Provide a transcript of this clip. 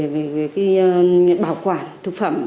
về cái bảo quản thực phẩm